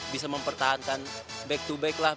bisa mempertahankan back to back lah